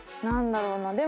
何だろうな？